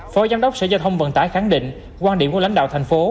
phó giám đốc sở giao thông vận tải khẳng định quan điểm của lãnh đạo thành phố